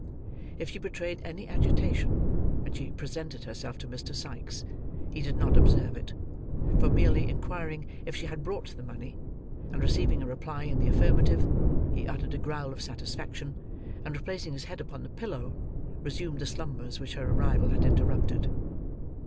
If she betrayed any agitation, when she presented herself to Mr. Sikes, he did not observe it; for merely inquiring if she had brought the money, and receiving a reply in the affirmative, he uttered a growl of satisfaction, and replacing his head upon the pillow, resumed the slumbers which her arrival had interrupted.